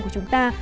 của chúng ta